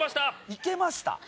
行けました？